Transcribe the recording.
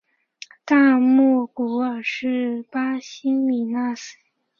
大莫古尔是巴西米纳斯吉拉斯州的一个市镇。